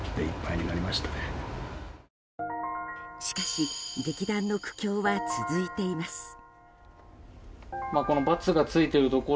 しかし、劇団の苦境は続いています。